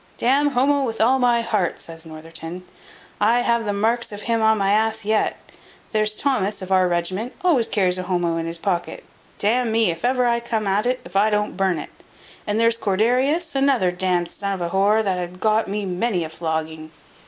"D n Homo with all my heart," says Northerton; "I have the marks of him on my a yet. There's Thomas, of our regiment, always carries a Homo in his pocket; d n me, if ever I come at it, if I don't burn it. And there's Corderius, another d n'd son of a whore, that hath got me many a flogging."